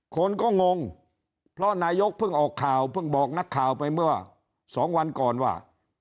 คนก็งงเพราะนายกเพิ่งออกข่าวเพิ่งบอกนักข่าวไปเมื่อ๒วันก่อนว่า